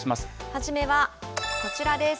初めは、こちらです。